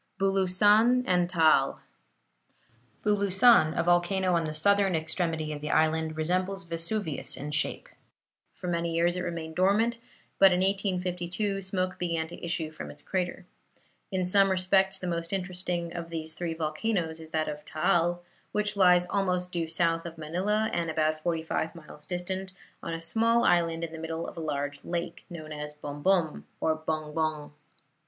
BULUSAN AND TAAL Bulusan, a volcano on the southern extremity of the island, resembles Vesuvius in shape. For many years it remained dormant, but in 1852 smoke began to issue from its crater. In some respects the most interesting of these three volcanoes is that of Taal, which lies almost due south of Manila and about forty five miles distant, on a small island in the middle of a large lake, known as Bombom or Bongbong.